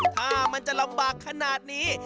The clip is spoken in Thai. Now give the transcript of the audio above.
ถ้ามันจะลำบากขนาดนี้